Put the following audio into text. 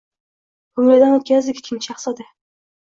ko‘nglidan o‘tkazdi Kichkina shahzoda